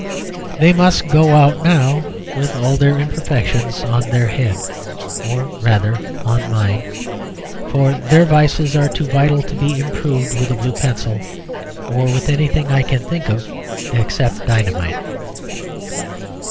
They must go out now, with all their imperfections on their head, or rather on mine; for their vices are too vital to be improved with a blue pencil, or with anything I can think of, except dynamite.